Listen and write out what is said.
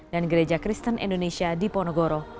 dan gereja kristen indonesia di ponegoro